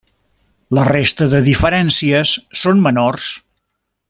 La resta de diferències són menors.